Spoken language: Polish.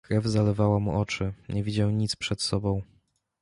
"Krew zalewała mu oczy, nie widział nic przed sobą."